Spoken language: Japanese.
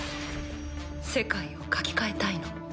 世界を書き換えたいの。